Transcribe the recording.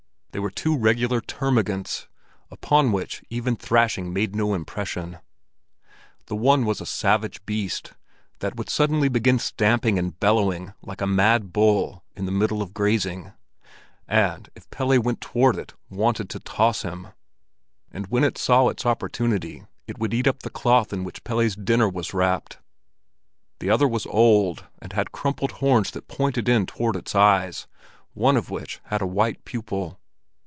They were two regular termagants, upon which even thrashing made no impression. The one was a savage beast, that would suddenly begin stamping and bellowing like a mad bull in the middle of grazing, and, if Pelle went toward it, wanted to toss him; and when it saw its opportunity, it would eat up the cloth in which Pelle's dinner was wrapped. The other was old and had crumpled horns that pointed in toward its eyes, one of which had a white pupil.